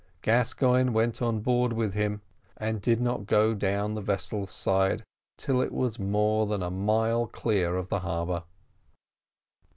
Gascoigne went on board with him, and did not go down the vessel's side till it was more than a mile clear of the harbour.